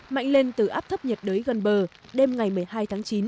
mạnh lên từ áp thấp nhiệt đới gần bờ đêm ngày một mươi hai tháng chín